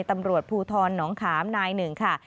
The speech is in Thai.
ตำรวจภูทรหนองขามนายหนึ่งค่ะ